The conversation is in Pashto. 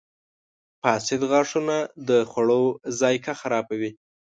• فاسد غاښونه د خوړو ذایقه خرابوي.